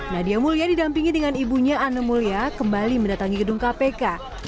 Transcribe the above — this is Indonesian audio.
nadia mulya didampingi dengan ibunya anne mulya kembali mendatangi gedung kpk